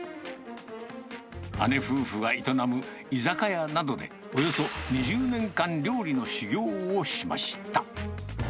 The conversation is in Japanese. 姉夫婦が営む居酒屋などでおよそ２０年間、料理の修業をしました。